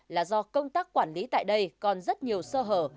là do công tác quản lý tại đây còn rất nhiều sơ hở